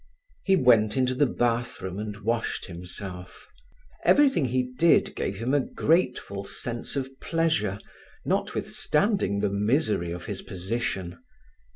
He went into the bathroom and washed himself. Everything he did gave him a grateful sense of pleasure, notwithstanding the misery of his position.